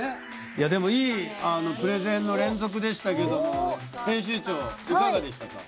いやでもいいプレゼンの連続でしたけども編集長いかがでしたか？